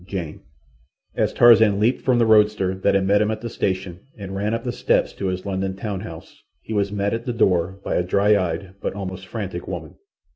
—JANE." As Tarzan leaped from the roadster that had met him at the station and ran up the steps to his London town house he was met at the door by a dry eyed but almost frantic woman.